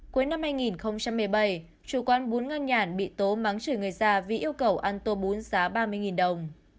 cuối năm hai nghìn một mươi bảy chủ quán bún ngân nhản bị tố mắng chửi người già vì yêu cầu ăn tô bún giá ba mươi đồng